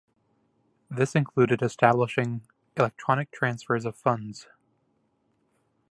This included establishing electronic transfers of funds.